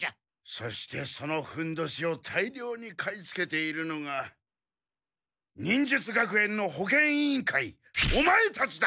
そしてそのふんどしを大りょうに買いつけているのが忍術学園の保健委員会オマエたちだ！